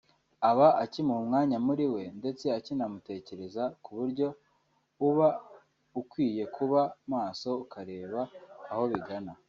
aba akimuha umwanya muri we ndetse akinamutekereza ku buryo uba ukwiye kuba maso ukareba aho bigana